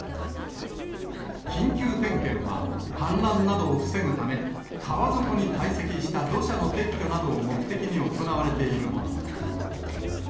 緊急点検は、氾濫などを防ぐため、川底に堆積した土砂の撤去などを目的に行われているもの。